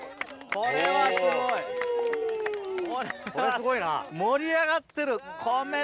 これすごいな！